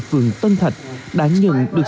phường tân thạch đã nhận được